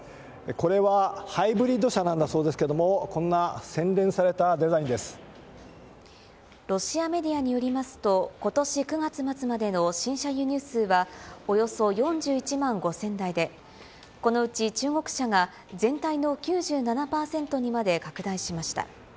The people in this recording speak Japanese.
これは、ハイブリッド車なんだそうですけれども、こんな洗練されたデザイロシアメディアによりますと、ことし９月末までの新車輸入数は、およそ４１万５０００台で、このうち中国車が全体の９７％にまで拡大しました。